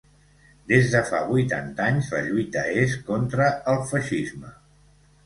Des de fa vuitanta anys la lluita és contra el feixisme.